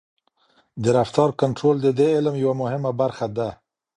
د رفتار کنټرول د دې علم یوه مهمه برخه ده.